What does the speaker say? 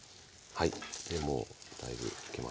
はい。